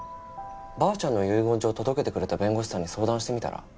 ばあちゃんの遺言状届けてくれた弁護士さんに相談してみたら？